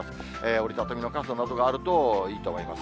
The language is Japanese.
折り畳みの傘などがあるといいと思います。